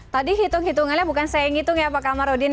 tadi hitung hitungannya bukan saya yang ngitung ya pak kamarudin